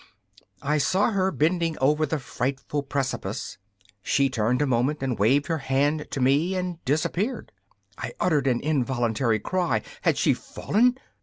I saw her bending over the frightful precipice. She turned a moment and waved her hand to me and disappeared. I uttered an involuntary cry had she fallen?